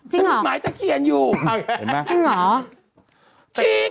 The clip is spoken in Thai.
จริงเหรอมีต้นไม้ตะเคียนอยู่เห็นไหมจริงเหรอ